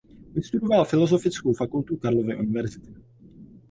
Vystudoval Filozofickou fakultu Karlovy univerzity.